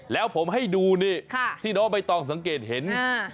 แล้วผมให้ดูนี่ที่น้องใบตองสังเกตเห็น